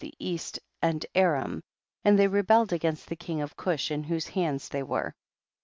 the east and Aram, and they rebelled against the king of Cush in whose hands they were.